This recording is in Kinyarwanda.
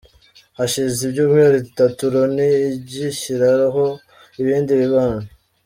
Hashize ibyumweru bitatu, Loni igishyiriraho ibindi bihano.